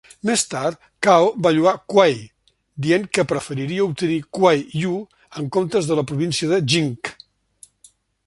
Més tard, Cao va lloar Kuai, dient que preferiria obtenir Kuai Yue en comptes de la província de Jing.